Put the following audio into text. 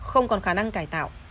không còn khả năng cải tạo